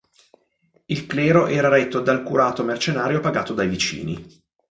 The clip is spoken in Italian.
Il clero era retto dal curato mercenario pagato dai vicini.